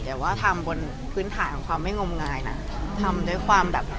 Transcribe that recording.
แต่ว่าทำบนพื้นฐานของความไม่งมงายนะทำด้วยความแบบ